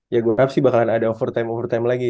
ya gue harap sih bakalan ada overtime overtime lagi